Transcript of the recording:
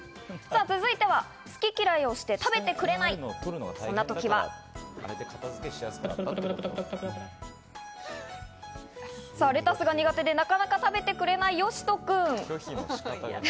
続いては、好き嫌いをして食べてくれない、そんな時は、レタスが苦手でなかなか食べてくれないよしと君。